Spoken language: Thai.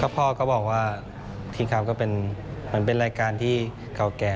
พ่อบอกว่าทีมคาร์ปก็เป็นรายการที่เก่าแก่